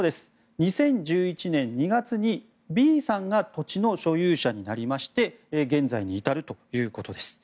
２０１１年２月にＢさんが土地の所有者になりまして現在に至るということです。